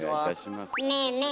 ねえねえ